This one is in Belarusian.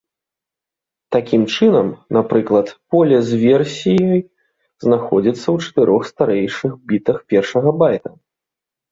Такім чынам, напрыклад, поле з версіяй знаходзіцца ў чатырох старэйшых бітах першага байта.